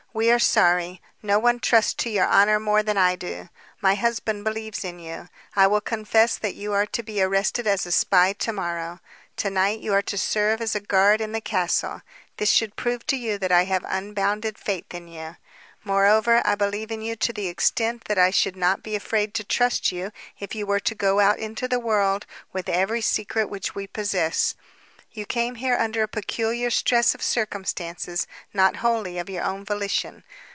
"We are sorry. No one trusts to your honor more than I do. My husband believes in you. I will confess that you are to be arrested as a spy to morrow. To night you are to serve as a guard in the castle. This should prove to you that I have unbounded faith in you. Moreover, I believe in you to the extent that I should not be afraid to trust you if you were to go out into the world with every secret which we possess. You came here under a peculiar stress of circumstances, not wholly of your own volition.